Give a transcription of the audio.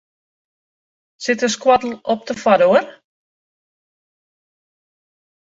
Sit de skoattel op de foardoar?